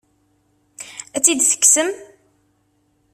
Ad tt-id-tekksem?